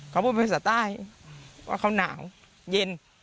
เขาพูดภาษาใต้ว่าเขาหนาวเย็น